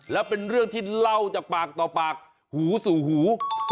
แล้วเป็นเรื่องที่เล่าจากปากต่อปากหูสู่หู